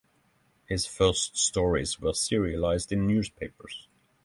His first stories were serialized in newspapers.